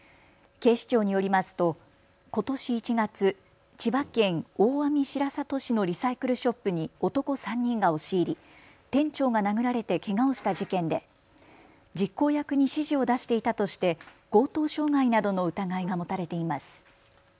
警視庁によりますとことし１月、千葉県大網白里市のリサイクルショップに男３人が押し入り、店長が殴られてけがをした事件で実行役に指示を出していたとして強盗傷害などの疑いが持たれています。